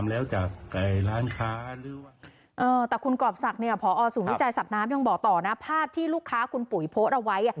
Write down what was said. มันยังดูไม่เท่าไหร่นะครับ